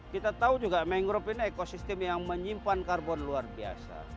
kita tahu juga mangrove ini ekosistem yang menyimpan karbon luar biasa